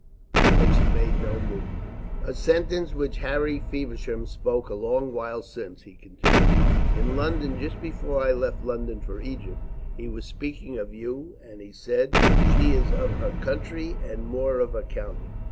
But she made no movement. "A sentence which Harry Feversham spoke a long while since," he continued, "in London just before I left London for Egypt. He was speaking of you, and he said: 'She is of her country and more of her county.